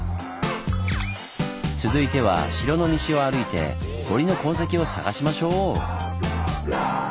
続いては城の西を歩いて堀の痕跡を探しましょう！